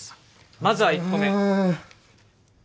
まずは１個目。